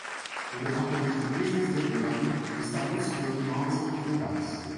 O departamento de Business Development está buscando novas oportunidades.